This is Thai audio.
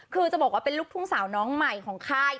คือจะบอกว่าเป็นลูกทุ่งสาวน้องใหม่ของค่าย